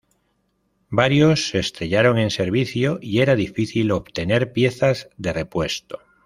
Varios se estrellaron en servicio y era difícil obtener piezas de repuesto.